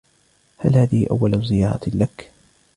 هل هذه أول زيارة لك ؟